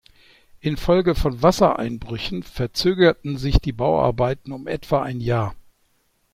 Infolge von Wassereinbrüchen verzögerten sich die Bauarbeiten um etwa ein Jahr.